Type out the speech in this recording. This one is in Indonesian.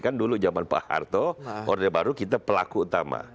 kan dulu zaman pak harto orde baru kita pelaku utama